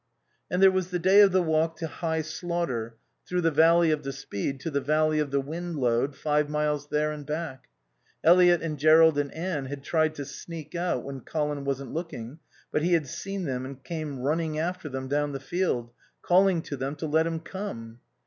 And there was the day of the walk to High Slaughter, through the valley of the Speed to the valley of the Windlode, five miles there and back. Eliot and Jerrold and Anne had tried to sneak out when Colin wasn't looking; but he had seen them and came running after them down the field, calling to them to let him come.